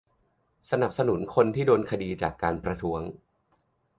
สนับสนุนคนที่โดนคดีจากการประท้วง